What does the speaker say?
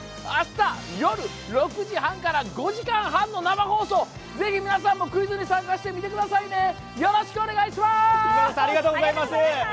明日夜６時半から５時間半の生放送、ぜひ皆さんもクイズに参加してみてくださいね。